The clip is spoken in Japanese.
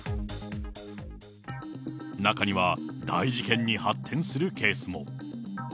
中には、大事件に発展するケースも。